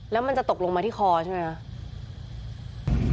แล้วมันจะตกลงมาที่คอใช่ไหมคะ